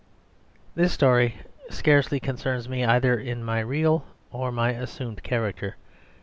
This story scarcely concerns me either in my real or my assumed character.